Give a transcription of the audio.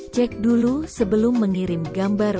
cek dulu sebelum mengirim gambar